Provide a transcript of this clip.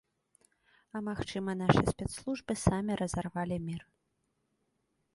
А магчыма, нашы спецслужбы самі разарвалі мір.